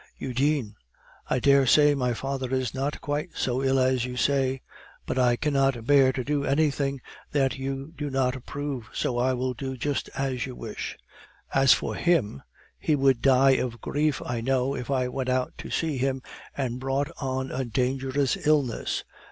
"Eugene, I dare say my father is not quite so ill as you say; but I cannot bear to do anything that you do not approve, so I will do just as you wish. As for him, he would die of grief I know if I went out to see him and brought on a dangerous illness.